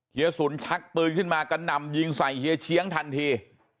เฮียศุลชักปืนขึ้นมาก็นำยิงไส่เฮียเชียงทันที